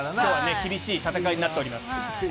厳しい戦いになっております。